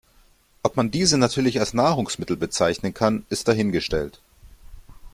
Ob man diese natürlich als Nahrungsmittel bezeichnen kann, ist dahingestellt.